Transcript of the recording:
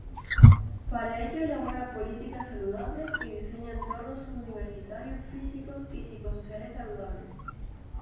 Para ello, elabora políticas saludables y diseña entornos universitarios físicos y psicosociales saludables.